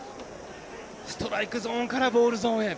ストライクゾーンからボールゾーンへ。